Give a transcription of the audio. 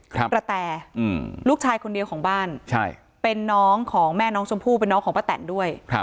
กระแตอืมลูกชายคนเดียวของบ้านใช่เป็นน้องของแม่น้องชมพู่เป็นน้องของป้าแตนด้วย